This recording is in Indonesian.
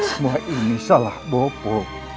semua ini salah bopo